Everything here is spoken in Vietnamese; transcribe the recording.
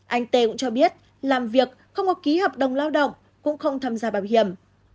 anh t cũng cho biết làm việc không có ký hợp đồng lao động cũng không tham gia bảo hiểm